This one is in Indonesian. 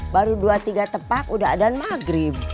baru dua tiga tepat udah ada maghrib